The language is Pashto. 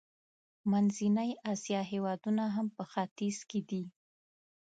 منځنۍ اسیا هېوادونه هم په ختیځ کې دي.